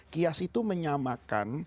kias itu menyamakan